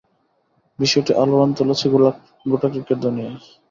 বিষয়টি আলোড়ন তুলেছে গোটা ক্রিকেট দুনিয়ায়।